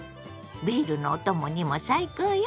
ビールのお供にも最高よ。